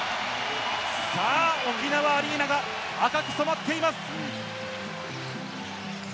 沖縄アリーナが赤く染まっています！